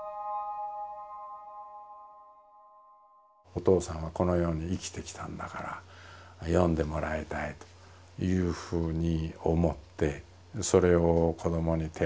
お父さんはこのように生きてきたんだから読んでもらいたいというふうに思ってそれを子どもに手渡した。